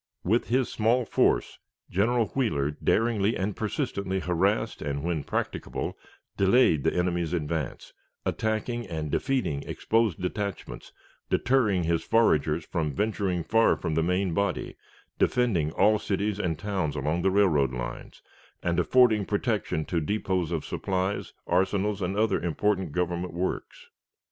With his small force, General Wheeler daringly and persistently harassed, and, when practicable, delayed the enemy's advance, attacking and defeating exposed detachments, deterring his foragers from venturing far from the main body, defending all cities and towns along the railroad lines, and affording protection to depots of supplies, arsenals, and other important Government works.